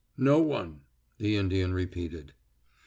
"No one," the Indian repeated.